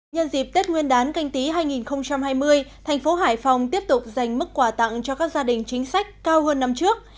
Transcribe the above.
nhân dịp tết nguyên đán canh tí hai nghìn hai mươi thành phố hải phòng tiếp tục dành mức quà tặng cho các gia đình chính sách cao hơn năm trước